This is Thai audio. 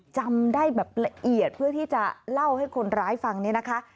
จำได้แบบละเอียดเพื่อที่จะเล่าให้คนร้ายฟังเนี่ยนะคะ